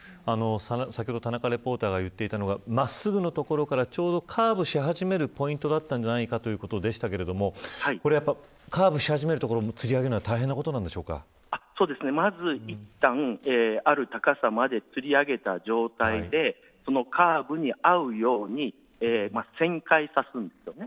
先ほど田中リポーターが言っていたのは真っすぐな所からカーブし始めるポイントだったんじゃないかということでしたがカーブし始めるところもつり上げるのはまず、いったんある高さまでつり上げた状態でそのカーブに合うように旋回させるんです。